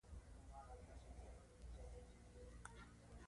ښه په موادو څه کېږي.